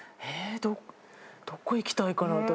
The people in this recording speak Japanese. えーどこ行きたいかな？